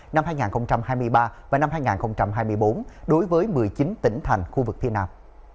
năm hai nghìn hai mươi ba và năm hai nghìn hai mươi bốn đối với một mươi chín tỉnh thành khu vực phía nam